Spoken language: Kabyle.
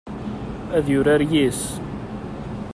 Ad yurar yis-s.